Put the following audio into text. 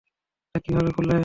এটা কিভাবে খোলে?